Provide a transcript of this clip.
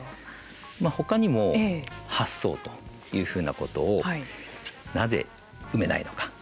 他にも、発想というふうなことをなぜ、生めないのか